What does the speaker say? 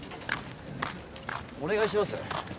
お願いします。